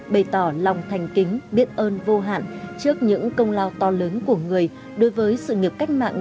bày tỏ lòng thành kính biết ơn vô hạn trước những công lao to lớn của người đối với sự nghiệp cách mạng